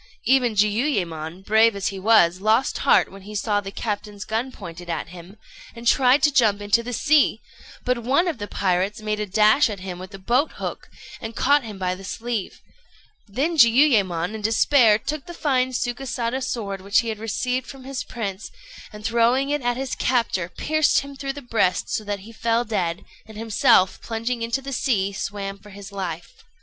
Even Jiuyémon, brave as he was, lost heart when he saw the captain's gun pointed at him, and tried to jump into the sea; but one of the pirates made a dash at him with a boat hook, and caught him by the sleeve; then Jiuyémon, in despair, took the fine Sukésada sword which he had received from his prince, and throwing it at his captor, pierced him through the breast so that he fell dead, and himself plunging into the sea swam for his life.